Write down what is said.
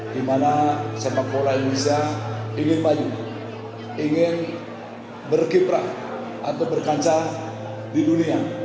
dimana sepak bola indonesia ingin maju ingin berkiprah atau berkaca di dunia